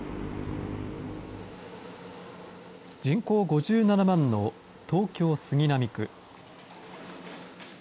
人口５７万の東京・杉並区。